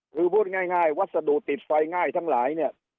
คือพูดง่ายวัสดุติดไฟง่ายทั้งหลายเนี่ย